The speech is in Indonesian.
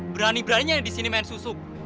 berani beraninya yang disini main susuk